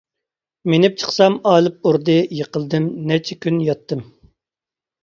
مىنىپ چىقسام ئالىپ ئۇردى، يىقىلدىم، نەچچە كۈن ياتتىم.